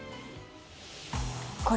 これ